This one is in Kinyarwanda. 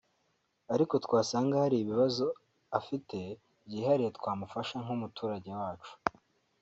ariko twasanga hari ibibazo afite byihariye twamufasha nk’umuturage wacu”